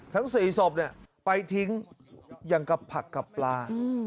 ทั้งสี่ศพเนี่ยไปทิ้งอย่างกับผักกับปลา